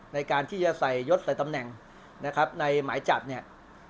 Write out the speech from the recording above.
ในการที่จะใส่ยดใส่ตำแหน่งนะครับในหมายจับเนี่ย